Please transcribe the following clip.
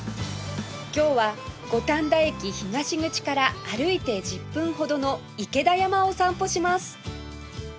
今日は五反田駅東口から歩いて１０分ほどの池田山を散歩します